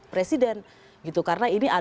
presiden gitu karena ini